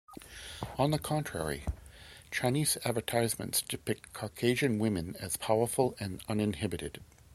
On the contrary, Chinese advertisements depict Caucasian women as powerful and uninhibited.